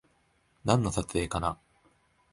なんかの撮影かな